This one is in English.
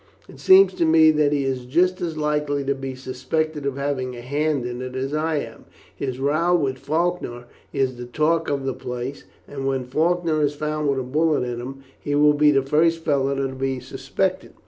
It seems to me that he is just as likely to be suspected of having a hand in it as I am. His row with Faulkner is the talk of the place, and when Faulkner is found with a bullet in him, he will be the first fellow to be suspected.